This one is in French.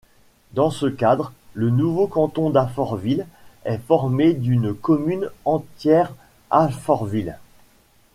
Dans ce cadre, le nouveau canton d'Alfortville est formé d'une commune entière, Alfortville.